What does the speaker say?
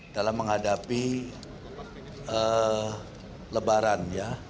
dalam menghadapi lebaran